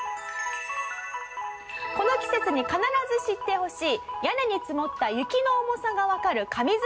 この季節に必ず知ってほしい屋根に積もった雪の重さがわかる神図解です。